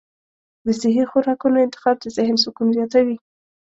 د صحي خوراکونو انتخاب د ذهن سکون زیاتوي.